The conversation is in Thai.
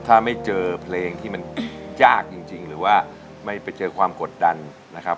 ถ้าไม่เจอเพลงที่มันยากจริงหรือว่าไม่ไปเจอความกดดันนะครับ